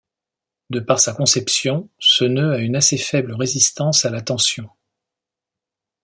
De par sa conception, ce nœud a une assez faible résistance à la tension.